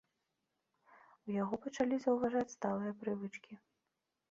У яго пачалі заўважаць сталыя прывычкі.